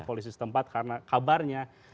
polisi setempat karena kabarnya